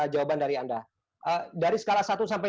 jawaban dari anda dari skala satu sampai